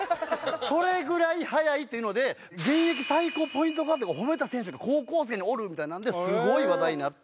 それぐらい速いっていうので現役最高ポイントガードが褒めた選手が高校生におるみたいなんですごい話題になって。